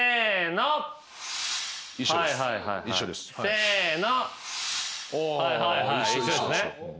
せの。